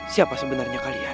siapa sebenarnya kalian